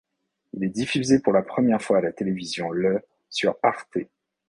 Il est diffusé pour la première fois à la télévision le sur Arte.